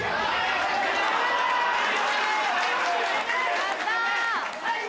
やった！